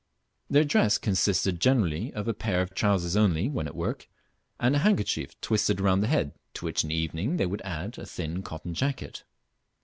Their dress consisted generally of a pair of trousers only, when at work, and a handkerchief twisted round the head, to which in the evening they would add a thin cotton jacket.